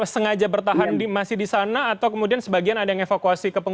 sengaja bertahan masih di sana atau kemudian sebagian ada yang evakuasi ke pengungsi